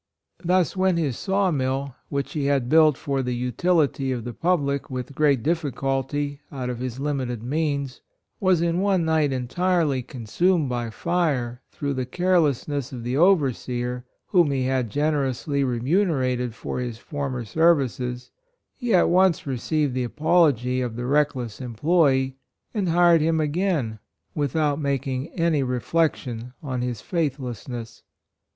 — Thus when his saw mill, which he had built for the utility of the pub lic, with great difficult} 7 , out of his limited means, was in one night entirely consumed by fire, through the carelessness of the overseer, whom he had generously remune rated for his former services, he at once received the apology of the reckless employee and hired him again without making any reflex VIRTUES. 99 ion on his faithlessness.